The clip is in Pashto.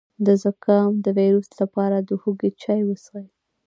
د زکام د ویروس لپاره د هوږې چای وڅښئ